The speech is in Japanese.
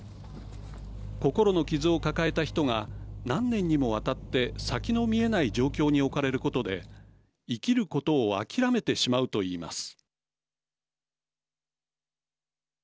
心の傷を抱えた人が何年にもわたって先の見えない状況に置かれることで生きることを諦めてしまうといいます。